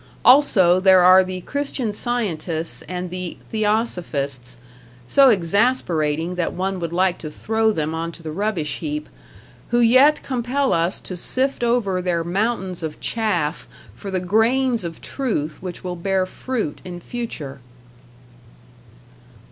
Also there are the Christian Scientists and the Theosophists, so exasperating that one would like to throw them onto the rubbish heap, who yet compel us to sift over their mountains of chaff for the grains of truth which will bear fruit in future.